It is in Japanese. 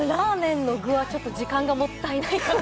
ラーメンの具はちょっと時間がもったいないかなと。